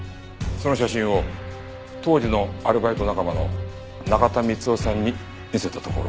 その写真を当時のアルバイト仲間の中田光夫さんに見せたところ。